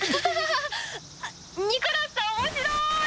「ニコラスさん面白い！」